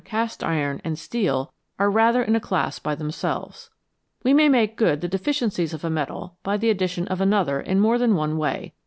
cast iron, and steel are rather in a class by themselves. We may make good the deficiencies of a metal by the addition of another in more than one way.